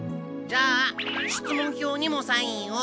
じゃあ出門票にもサインを！